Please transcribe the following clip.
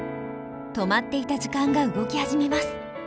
止まっていた時間が動き始めます。